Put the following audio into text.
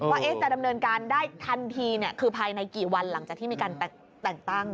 ว่าจะดำเนินการได้ทันทีคือภายในกี่วันหลังจากที่มีการแต่งตั้ง